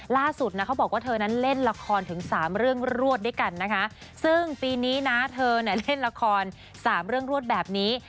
ล่าสุดนะเขาบอกว่าเธอนั้นเล่นละครถึงสามเรื่องรวดด้วยกันนะคะซึ่งปีนี้นะเธอเนี่ยเล่นละครสามเรื่องรวดแบบนี้